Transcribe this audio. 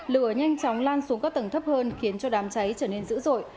lửa nhanh chóng lan xuống các tầng thấp hơn khiến cho đám cháy trở nên dữ dội